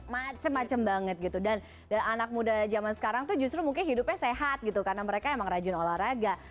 macem macem banget gitu dan anak muda zaman sekarang tuh justru mungkin hidupnya sehat gitu karena mereka emang rajin olahraga